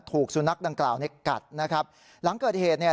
ถูกสุนัขดังกล่าวในกัดนะครับหลังเกิดเหตุเนี่ย